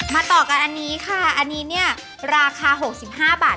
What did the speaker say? ต่อกันอันนี้ค่ะอันนี้เนี่ยราคา๖๕บาท